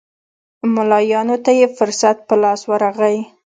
ملایانو ته یې فرصت په لاس ورغی.